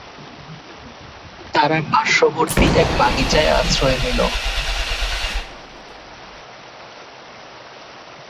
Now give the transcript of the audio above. তারা পার্শ্ববর্তী এক বাগিচায় আশ্রয় নিল।